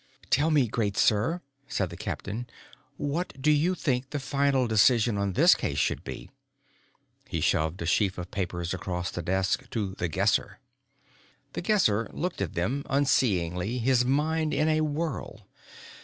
"Tell me, great sir," said the captain, "what do you think the final decision on this case should be?" He shoved the sheaf of papers across the desk to The Guesser. The Guesser looked at them unseeingly, his mind in a whirl.